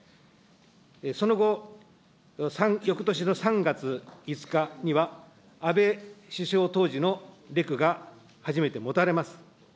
その後、よくとしの３月５日には、安倍首相、当時の、レクが初めて持たれます。